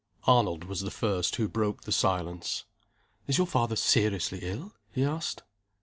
ARNOLD was the first who broke the silence. "Is your father seriously ill?" he asked.